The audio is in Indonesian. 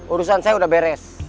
urusan saya udah beres